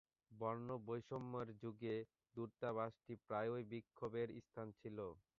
বর্ণবৈষম্যের যুগে দূতাবাসটি প্রায়ই বিক্ষোভের স্থান ছিল।